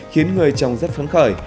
khiến người trồng rất phấn khởi